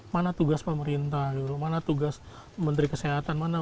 mana tugas pemerintah gitu mana tugas menteri kesehatan mana tugas kesehatan